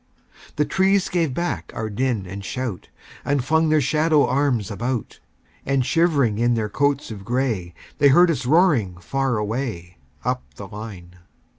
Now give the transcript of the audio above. The trees gave back our din and shout, And flung their shadow arms about; And shivering in their coats of gray, They heard us roaring far away, Up the line.